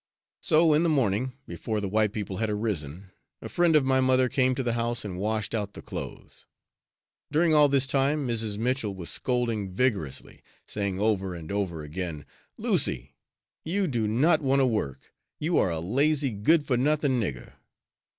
So in the morning, before the white people had arisen, a friend of my mother came to the house and washed out the clothes. During all this time, Mrs. Mitchell was scolding vigorously, saying over and over again, "Lucy, you do not want to work, you are a lazy, good for nothing nigger!"